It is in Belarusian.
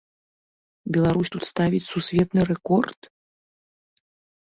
Беларусь тут ставіць сусветны рэкорд!